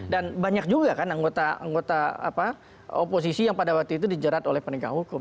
banyak juga kan anggota oposisi yang pada waktu itu dijerat oleh penegak hukum